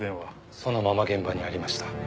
そのまま現場にありました。